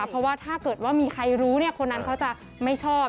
เพราะว่าถ้าเกิดว่ามีใครรู้คนนั้นเขาจะไม่ชอบ